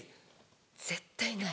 絶対ない。